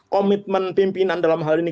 komitmen pimpinan dalam hal ini